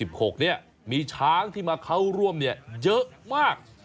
มีช้างที่มาเข้าร่วมเนี่ยเยอะมาก